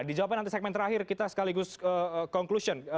dijawabkan nanti segmen terakhir kita sekaligus conclusion